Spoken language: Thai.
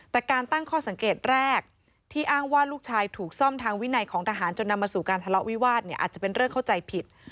แต่การตั้งข้อสังเกตแรกที่อ้างว่าลูกชายถูกซ่อมทางวินัยของทหารจนนำมาสู่การทะเลาะวิวาสเนี่ยอาจจะเป็นเรื่องเข้าใจผิด